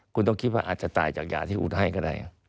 คุณต้องคิดว่าอาจจะตายจากยาที่อุดให้ก็ได้